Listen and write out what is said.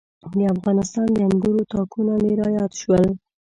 د افغانستان د انګورو تاکونه مې را یاد کړل.